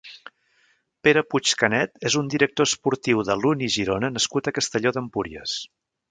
Pere Puig Canet és un director esportiu de l'Uni Girona nascut a Castelló d'Empúries.